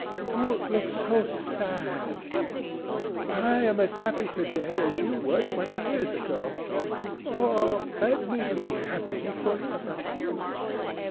Don't look so sad. I am as happy to day as you were twenty years ago. Ah! let me be happy for ever!"